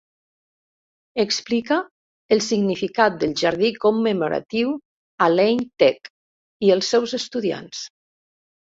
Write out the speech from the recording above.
Explica el significat del Jardí Commemoratiu a Lane Tech i els seus estudiants.